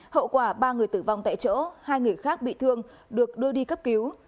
hậu quả ba người tử vong tại chỗ hai người khác bị thương được đưa đi cấp cứu